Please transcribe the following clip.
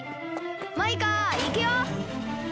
マイカいくよ！